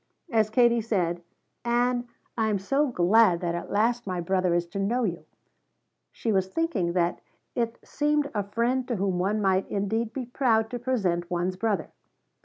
As Katie said, "Ann, I am so glad that at last my brother is to know you," she was thinking that it seemed a friend to whom one might indeed be proud to present one's brother.